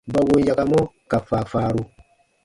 Ba wom yakamɔ ka faafaaru.